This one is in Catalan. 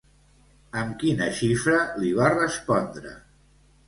Amb quina xifra li va respondre?